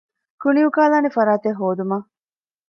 ކުނި އުކާލާނެ ފަރާތެއް ހޯދުމަށް